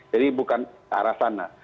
jadi bukan arah sana